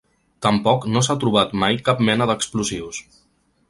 Tampoc no s’ha trobat mai cap mena d’explosius.